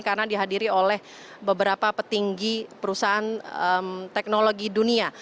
karena dihadiri oleh beberapa petinggi perusahaan teknologi dunia